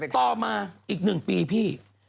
ต่อมาอีก๑ปีพี่